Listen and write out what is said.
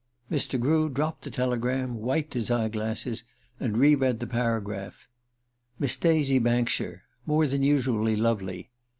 Mr. Grew dropped the telegram, wiped his eye glasses, and re read the paragraph. "Miss Daisy Bankshire ... more than usually lovely..."